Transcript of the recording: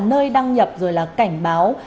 nơi đăng nhập rồi là cảnh báo